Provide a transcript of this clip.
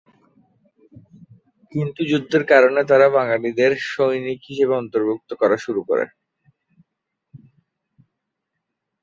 কিন্তু যুদ্ধের কারণে তারা বাঙালিদের সৈনিক হিসেবে অন্তর্ভুক্ত করা শুরু করে।